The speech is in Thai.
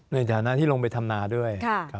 ในฐานะที่ลงไปทำนาด้วย